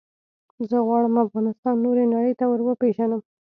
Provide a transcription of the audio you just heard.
زه غواړم افغانستان نورې نړی ته وروپېژنم.